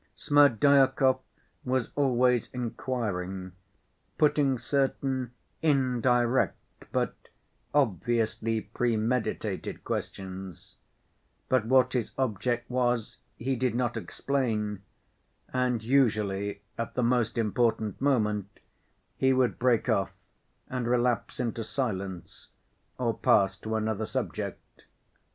Smerdyakov was always inquiring, putting certain indirect but obviously premeditated questions, but what his object was he did not explain, and usually at the most important moment he would break off and relapse into silence or pass to another subject.